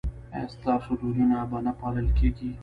ایا ستاسو دودونه به نه پالل کیږي؟